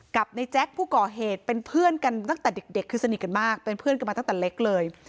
กับในแจ๊คผู้ก่อเหตุเป็นเพื่อนกันตั้งแต่เด็กคือสนิทกันมากเป็นเพื่อนกันมาตั้งแต่เล็กเลย